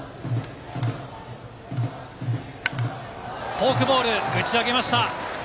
フォークボール、打ち上げました。